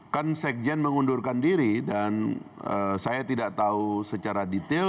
kan sekjen mengundurkan diri dan saya tidak tahu secara detail